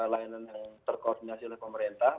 layanan yang terkoordinasi oleh pemerintah